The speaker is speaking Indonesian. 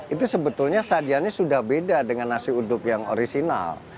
itu sebetulnya sajiannya sudah beda dengan nasi uduk yang orisinal